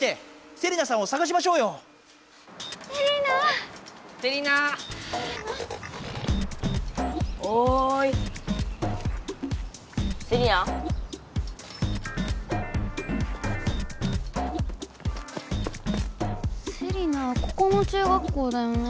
セリナ⁉セリナはここの中学校だよね？